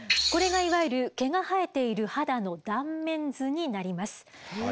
これがいわゆる毛が生えている肌の断面図になります。